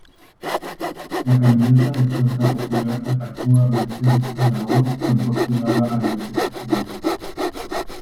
La candidata de fuerza popular atacó a Mercedes Araoz quien postulaba a la vicepresidencia.